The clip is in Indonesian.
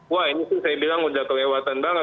wah ini sih saya bilang udah kelewatan banget